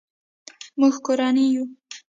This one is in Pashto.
مونږ کورنۍ یو